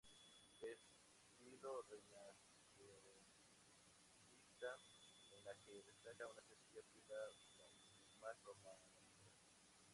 De estilo renacentista, en la que destaca una sencilla pila bautismal románica.